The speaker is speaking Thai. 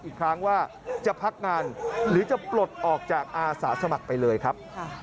อีกครั้งว่าจะพักงานหรือจะปลดออกจากอาสาสมัครไปเลยครับ